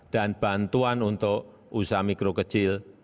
dan bantuan untuk usaha mikro kecil